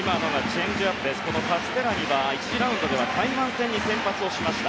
このカステラニは１次ラウンドでは台湾戦に先発をしました。